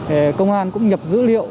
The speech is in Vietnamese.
để làm bảo công an xã có thể nhập dữ liệu